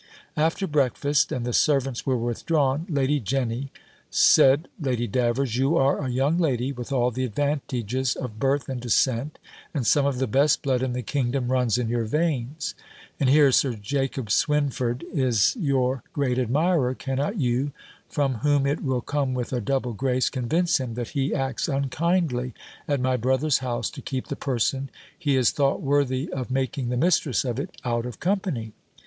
After breakfast, and the servants were withdrawn "Lady Jenny," said Lady Davers, "you are a young lady, with all the advantages of birth and descent, and some of the best blood in the kingdom runs in your veins; and here Sir Jacob Swynford is your great admirer; cannot you, from whom it will come with a double grace, convince him that he acts unkindly at my brother's house, to keep the person he has thought worthy of making the mistress of it, out of company?